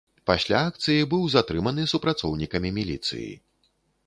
Пасля акцыі быў затрыманы супрацоўнікамі міліцыі.